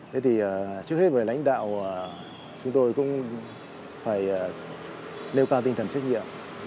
thế thì trước hết về lãnh đạo chúng tôi cũng phải nêu cao tinh thần trách nhiệm